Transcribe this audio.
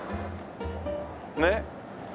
ねっ。